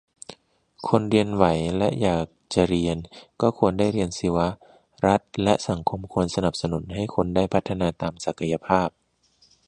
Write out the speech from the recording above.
คนเรียนไหวและอยากจะเรียน ก็ควรได้เรียนสิวะ รัฐและสังคมควรสนับสนุนให้คนได้พัฒนาตามศักยภาพ